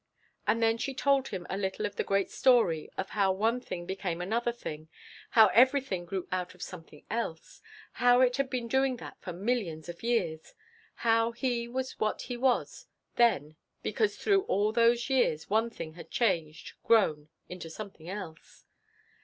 And then she told him a little of the great story of how one thing became another thing, how everything grew out of something else, how it had been doing that for millions of years, how he was what he was then because through all those years one thing had changed, grown, into something else.